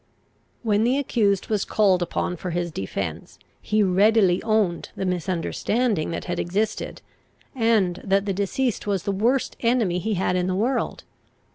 When the accused was called upon for his defence, he readily owned the misunderstanding that had existed, and that the deceased was the worst enemy he had in the world.